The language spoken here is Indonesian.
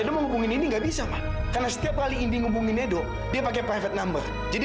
enggak usah dipaksain mila